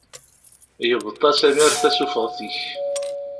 Yebḍa Samir tasufeɣt-ik.